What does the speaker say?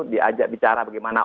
diajak bicara bagaimana